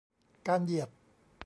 การเหยียด